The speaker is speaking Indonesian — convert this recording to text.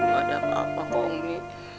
gak ada apa apa kok umi